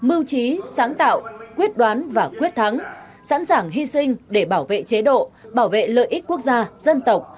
mưu trí sáng tạo quyết đoán và quyết thắng sẵn sàng hy sinh để bảo vệ chế độ bảo vệ lợi ích quốc gia dân tộc